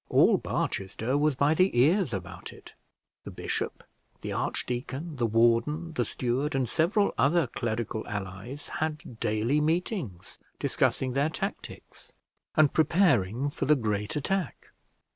All Barchester was by the ears about it. The bishop, the archdeacon, the warden, the steward, and several other clerical allies, had daily meetings, discussing their tactics, and preparing for the great attack.